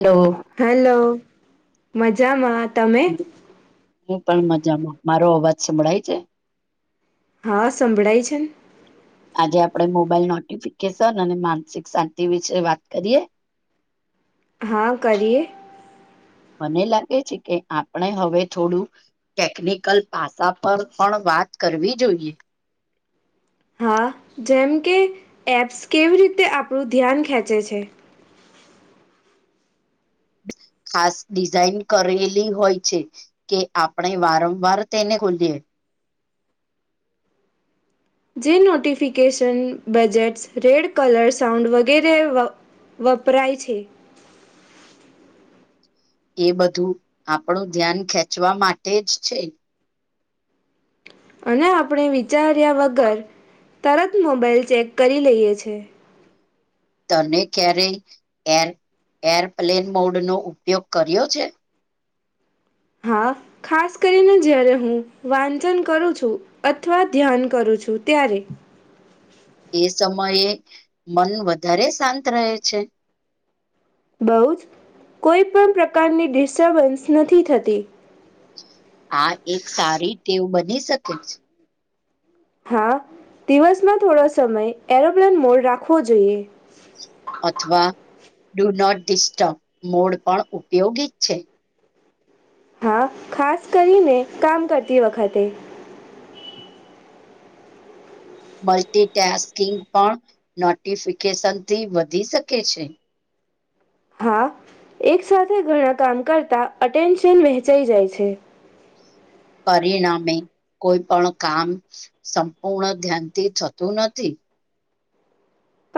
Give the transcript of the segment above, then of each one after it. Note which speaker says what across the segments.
Speaker 1: Hello.
Speaker 2: Hello મજામાં. તમે
Speaker 1: હું પણ મજામાં મારો અવાજ સંભળાય છે.
Speaker 2: હા, સંભળાય છે ને
Speaker 1: આજે આપડે મોબાઈલ નોટિફિકેશન અને માનસિક શાંતિ વિશે વાત કરીએ.
Speaker 2: હા કરીએ
Speaker 1: મને લાગે છે કે આપણે હવે થોડું ટેકનિકલ પાસા પર પણ વાત કરવી જોઈએ.
Speaker 2: હા, જેમ કે એપ્સ કેવી રીતે આપણું ધ્યાન ખેંચે છે.
Speaker 1: ખાસ ડિઝાઇન કરેલી હોય છે. કે આપણે વારંવાર તેને ખોલીએ
Speaker 2: જે notification badges red colour sound વગેરે વપરાય છે.
Speaker 1: એ બધું આપણું ધ્યાન ખેંચવા માટે જ છે.
Speaker 2: અને આપણે વિચાર્યા વગર તરત મોબાઈલ ચેક કરી લઈએ છે.
Speaker 1: તને ક્યારેય એર એરપ્લેન મોડ નો ઉપયોગ કર્યો છે.
Speaker 2: હા ખાસ કરીને જયારે હું વાંચન કરું છું અથવા ધ્યાન કરું છું ત્યારે
Speaker 1: એ સમયે મન વધારે શાંત રહે છે.
Speaker 2: બહું જ કોઈ પણ પ્રકારની ડિસ્ટર્બન્સ નથી થતી
Speaker 1: આ એક સારી ટેવ બની શકે છે.
Speaker 2: હા, દિવસમાં થોડો સમય એરોપ્લેન મોડ રાખવો જોઈએ.
Speaker 1: અથવા ડુ નોટ ડિસ્ટર્બ મોડ પણ ઉપયોગી છે.
Speaker 2: હા, ખાસ કરીને કામ કરતી વખતે
Speaker 1: મલ્ટીટાસ્કિંગ પણ નોટિફિકેશનથી વધી શકે છે.
Speaker 2: હા, એક સાથે ઘણા કામ કરતા અટેન્શન વહેંચાઈ જાય છે.
Speaker 1: પરિણામે કોઈ પણ કામ સંપૂર્ણ ધ્યાનથી થતું નથી.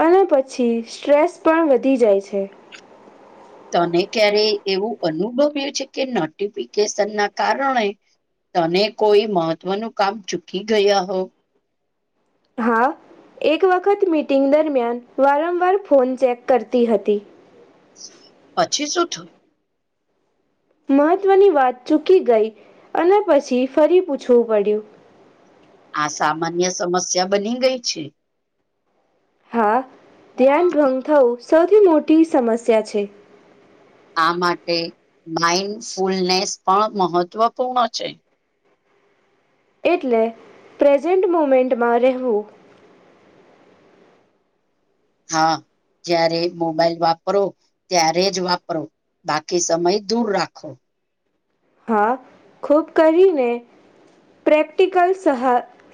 Speaker 2: અને પછી સ્ટ્રેસ પણ વધી જાય છે.
Speaker 1: તને ક્યારે એવું અનુભવ્યું છે કે નોટિફિકેશન ના કારણે તને કોઈ મહત્વનું કામ ચૂકી ગયા હો
Speaker 2: હા, એક વખત મીટિંગ દરમિયાન વારંવાર ફોન ચેક કરતી હતી
Speaker 1: પછી શું થું?
Speaker 2: મહત્વની વાત ચૂકી ગઈ અને પછી ફરી પૂછવું પડ્યું
Speaker 1: આ સામાન્ય સમસ્યા બની ગઈ છે.
Speaker 2: હા! ધ્યાન ભંગ થવું સૌથી મોટી સમસ્યા છે.
Speaker 1: આ, માટે માઇન્ડ ફૂલનેસ પણ મહત્વપૂર્ણ છે.
Speaker 2: એટલે પ્રેઝન્ટ મુમેન્ટમાં રહેવું
Speaker 1: હા! જ્યારે મોબાઈલ વાપરો ત્યારે જ વાપરો બાકી સમય દૂર રાખો
Speaker 2: હા! ખૂબ કરીને પ્રેક્ટિકલ સહ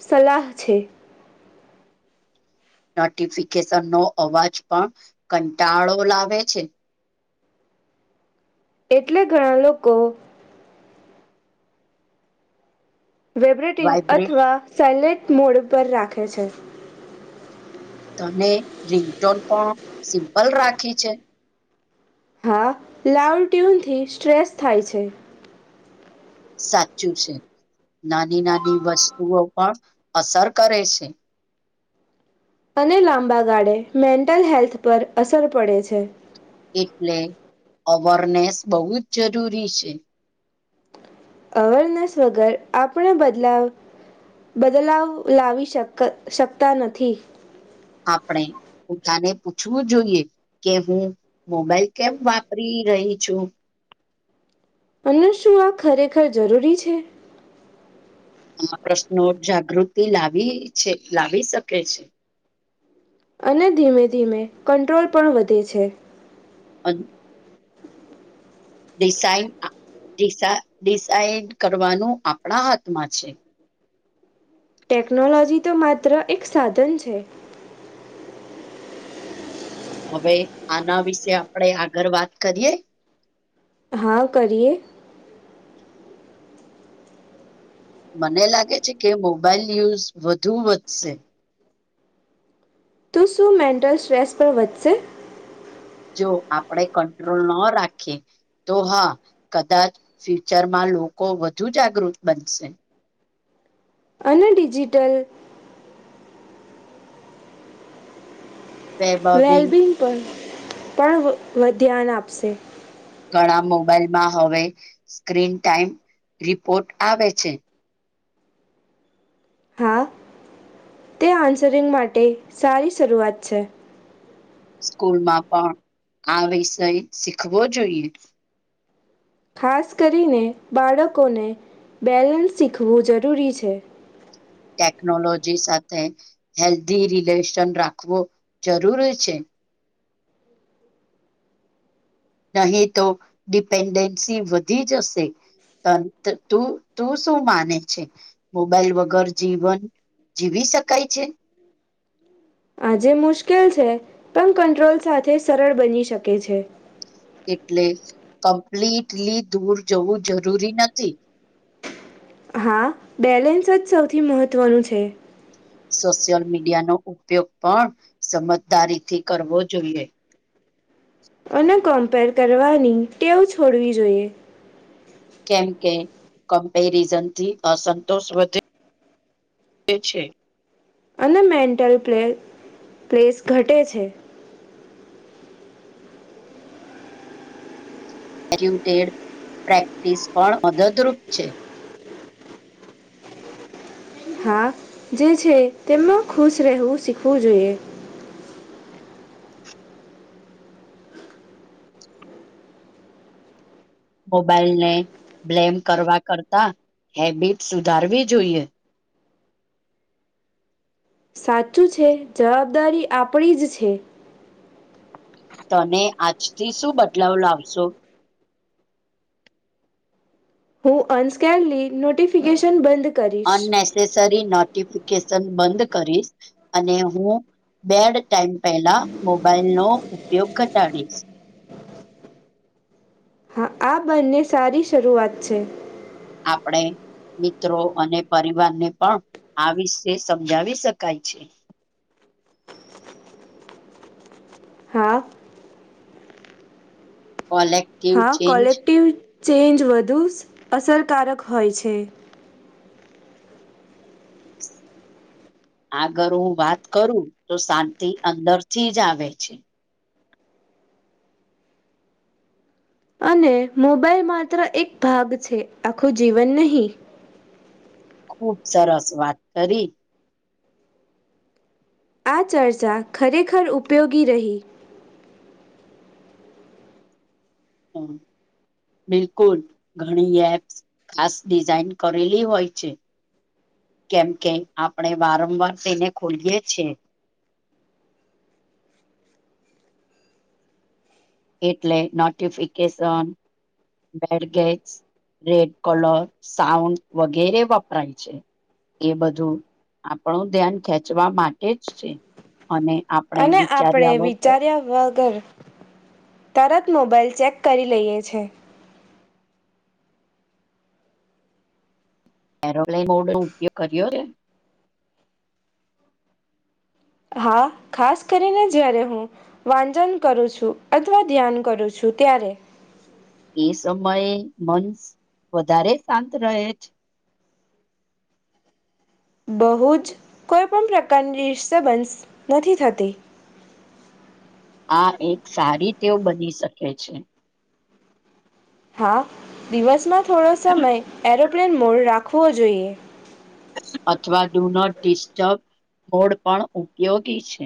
Speaker 2: સલાહ છે.
Speaker 1: નોટિફિકેશન નો અવાજ પણ કંટાળો લાવે છે
Speaker 2: એટલે ઘણા લોકો વેબ્રેટીન
Speaker 1: વાઇબ્રેટ
Speaker 2: અથવા સાયલેટ મોડ પર રાખે છે.
Speaker 1: તને રિંગટોન પણ સિમ્પલ રાખી છે
Speaker 2: હા, લાવ ટ્યુનથી સ્ટ્રેસ થાય છે
Speaker 1: સાચું છે! નાની નાની વસ્તુઓ પણ અસર કરે છે.
Speaker 2: અને લાંબા ગાળે મેન્ટલ હેલ્થ પર અસર પડે છે
Speaker 1: એટલે અવારનેસ બહુ જ જરૂરી છે.
Speaker 2: અવેરનેસ વગર આપણે બદલાવ બદલાવ લાવી શક શકતા નથી.
Speaker 1: આપણે. પોતાને પૂછવું જોઈએ કે હું મોબાઈલ કેમ વાપરી રહી છું.
Speaker 2: અને શું આ ખરેખર જરૂરી છે.
Speaker 1: એમાં પ્રશ્નો જાગૃતિ લાવી છે લાવી શકે છે.
Speaker 2: અને ધીમે ધીમે કંટ્રોલ પણ વધે છે.
Speaker 1: અજ ડિસાઈ અ ડીસા ડિસાઇડ કરવાનું આપણા હાથમાં છે.
Speaker 2: ટેકનોલોજી તો માત્ર એક સાધન છે.
Speaker 1: હવે આના વિશે આપડે આગળ વાત કરીએ.
Speaker 2: હા કરીએ.
Speaker 1: મને લાગે છે કે મોબાઈલ યુઝ વધુ વધશે.
Speaker 2: તું શું મેન્ટલ સ્ટ્રેસ પર વધશે?
Speaker 1: જો આપણેે કંટ્રોલ ન રાખીએ તો હા કદાચ ફ્યુચરમાં લોકો વધુ જાગૃત બનશે.
Speaker 2: અને ડિજિટલ
Speaker 1: વેબિંગ
Speaker 2: વેલબિંગ પર પણ વ વ ધ્યાન આપશે.
Speaker 1: ઘણા મોબાઈલમાં હવે સ્ક્રીન ટાઈમ રિપોર્ટ આવે છે.
Speaker 2: હા તે આન્સરિંગ માટે સારી શરૂઆત છે.
Speaker 1: સ્કૂલમાં પણ આ વિષય શીખવો જોઈએ.
Speaker 2: ખાસ કરીને બાળકોને બેલેન્સ શીખવું જરૂરી છે.
Speaker 1: ટેકનોલોજી સાથે હેલ્ધી રિલેશન રાખવો જરૂરી છે. નહીં તો ડિપેન્ડેન્સી વધી જશે. તમ ત તું તું શું માને છે? મોબાઈલ વગર જીવન જીવી શકાય છે?
Speaker 2: આજે મુશ્કેલ છે, પણ કંટ્રોલ સાથે સરળ બની શકે છે.
Speaker 1: એટલે જ કમ્પ્લીટલી દૂર જવું જરૂરી નથી.
Speaker 2: હા બેલેન્સ જ સૌથી મહત્ત્વનું છે.
Speaker 1: સોશિયલ મીડિયાનો ઉપયોગ પણ સમજદારી થી કરવો જોઈએ.
Speaker 2: અને કમ્પેર કરવાની ટેવ છોડવી જોઈએ.
Speaker 1: કેમ કે કમ્પેરિઝનથી અસંતોષ વધે એ છે.
Speaker 2: અને મેન્ટલ પ્લે પ્લેસ ઘટે છે.
Speaker 1: [unintelligible] પ્રેક્ટિસ પણ મદદ રૂપ છે.
Speaker 2: હા જે છે, તેમાં ખુશ રહેવું શીખવું જોઈએ.
Speaker 1: મોબાઈલને બ્લેમ કરવા કરતા હેબિટ સુધારવી જોઈએ.
Speaker 2: સાચું છે, જવાબદારી આપણી જ છે.
Speaker 1: તને આજથી શું બદલાવ લાવશો?
Speaker 2: હું અનસ્કેનલી નોટિફિકેશન બંધ કરીશ
Speaker 1: અનનેસેસરી નોટિફિકેશન બંધ કરીશ. અને હું બેડ ટાઈમ પહેલા મોબાઈલનો ઉપયોગ ઘટાડીશ.
Speaker 2: હા આ બંને સારી શરૂઆત છે.
Speaker 1: આપડે મિત્રો અને પરિવારને પણ આ વિશે સમજાવી શકાય છે.
Speaker 2: હા.
Speaker 1: કોલે
Speaker 2: હા કોલેક્ટિવ ચેન્જ વધુ અસરકારક હોય છે.
Speaker 1: આગળ હું વાત કરું તો શાંતિ અંદરથી જ આવે છે.
Speaker 2: અને મોબાઈલ માત્ર એક ભાગ છે, આખું જીવન નહી.
Speaker 1: ખુબ સરસ વાત કરી
Speaker 2: આ ચર્ચા ખરેખર ઉપયોગી રહી
Speaker 1: [inaudible] બિલકુલ ઘણી એપ્સ ખાસ ડિઝઇન કરેલી હોય છે. કેમ કે આપણે વારંવાર તેને ખોલીયે છે. એટલે notification badges, red colour, sound વગેરે વપરાય છે. એ બધું આપણું ધ્યાન ખેંચવા માટે જ છે, અને આ
Speaker 2: ને આપણે વિચાર્યા વગર તરત મોબાઈલ ચેક કરી લઈએ છે.
Speaker 1: એરોપ્લેન મોડનો ઉપયોગ કર્યો કે?
Speaker 2: હા ખાસ કરીને જયારે હું વાચન કરું છું અથવા ધ્યાન કરું છું ત્યારે
Speaker 1: એ સમયે મન વધારે શાંત રહે
Speaker 2: બહુ જ કોઈપણ પ્રકારની ડિસ્ટર્બન્સ નથી થતી.
Speaker 1: આ એક સારી ટેવ બની શકે છે.
Speaker 2: હા દિવસમાં થોડો સમય એરોપ્લેન મોડ રાખવો જોઈએ.
Speaker 1: અથવા ડુ નોટ ડિસ્ટર્બ મોડ પણ ઉપયોગી છે.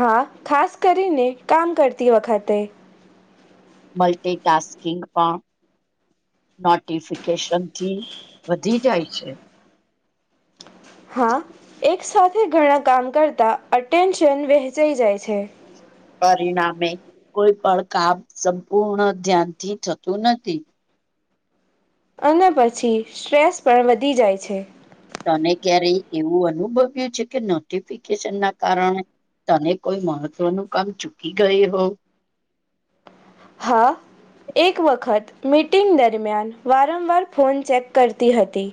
Speaker 2: હા ખાસ કરીને કામ કરતી વખતે
Speaker 1: મલ્ટીટાસ્કીિંગ પણ નોટિફિકેશન થી વધી જાય છે.
Speaker 2: હા, એક સાથે ઘણા કામ કરતા અટેન્શન વહેંચાઈ જાય છે.
Speaker 1: પરિણામે કોઈ પણ કામ સંપૂર્ણ ધ્યાનથી થતું નથી.
Speaker 2: અને પછી સ્ટ્રેસ પણ વધી જાય છે.
Speaker 1: તને ક્યારેય એવું અનુભવ્યું કે છે નોટિફિકેશન ના કારણે તને કોઈ મહત્વનું કામ ચૂકી ગઈ હોવ
Speaker 2: હા. એક વખત મીટિંગ દરમિયાન વારંવાર ફોન ચેક કરતી હતી.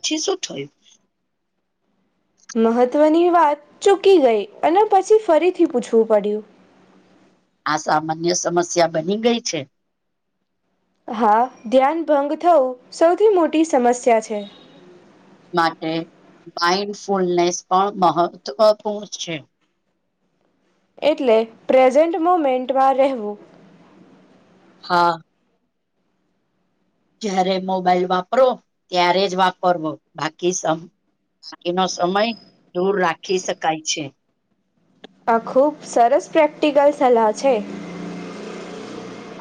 Speaker 1: પછી શું થયું?
Speaker 2: મહત્વની વાત ચૂકી ગઈ અને પછી ફરીથી પૂછવું પડ્યું
Speaker 1: આ સામાન્ય સમસ્યા બની ગઈ છે.
Speaker 2: હા, ધ્યાન ભંગ થવું સૌથી મોટી સમસ્યા છે.
Speaker 1: માટે માઇન્ડ ફૂલનેસ પણ મહત્વપૂર્ણ છે.
Speaker 2: એટલે પ્રેઝન્ટ મુમેન્ટમાં રહેવું
Speaker 1: હા. જયારે મોબાઈલ વાપરો ત્યારે જ વાપરવો બાકી સમ બાકી નો સમય દૂર રાખી શકાય છે.
Speaker 2: આ ખૂબ સરસ પ્રેક્ટિકલ સલાહ છે.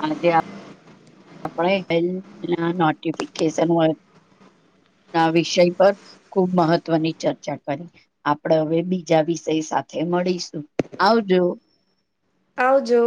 Speaker 1: આજ આપણે [unintelligible] નોટિફિકેશન હોય ના વિષય પર ખુબ મહત્વની ચર્ચા કરી આપણે હવે બીજા વિષય સાથે મળીશું આવજો.
Speaker 2: આવજો.